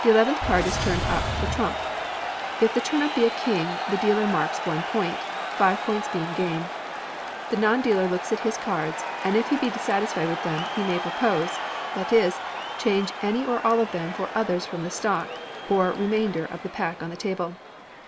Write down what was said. The eleventh card is turned up for trump. If the turn up be a king, the dealer marks one point; five points being game. The non dealer looks at his cards, and if he be dissatisfied with them, he may propose that is, change any or all of them for others from the stock, or remainder of the pack on the table.